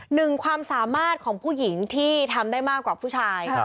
หนึ่งความสามารถของผู้หญิงที่ทำได้มากกว่าผู้ชาย